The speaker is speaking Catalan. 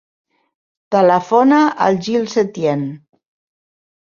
Telefona al Gil Setien.